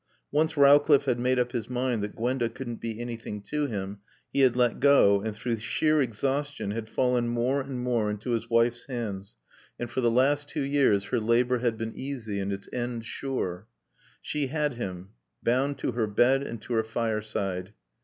Once Rowcliffe had made up his mind that Gwenda couldn't be anything to him he had let go and through sheer exhaustion had fallen more and more into his wife's hands, and for the last two years her labor had been easy and its end sure. She had him, bound to her bed and to her fireside.